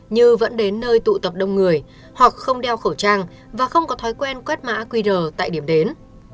như vẫn đến nơi tụ tập đông người hoặc không đeo khẩu trang và không có thói quen quét mã qr tại điểm đến